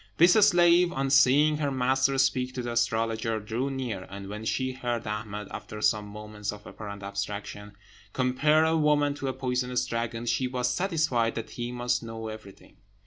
This slave, on seeing her master speak to the astrologer, drew near; and when she heard Ahmed, after some moments of apparent abstraction, compare a woman to a poisonous dragon, she was satisfied that he must know everything.